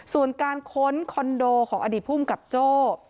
ส่วนการค้นคอนโดของอดีตภูมิกับโจ้